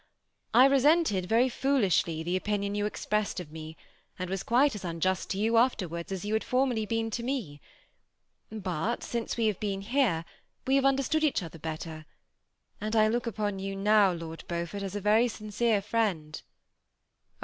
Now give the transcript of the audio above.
I resented, very foolishly, the opinion you expressed of me ; and was quite as unjust to you after wards as you had formerly been to me. But since we have been here, we have understood each other better ; and I look upon you now, Lord Beaufort, as a very sincere friend." '^ Oh